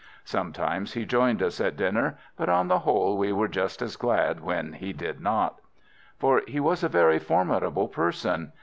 Sometimes he joined us at dinner, but on the whole we were just as glad when he did not. For he was a very formidable person.